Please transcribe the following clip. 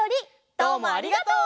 どうもありがとう。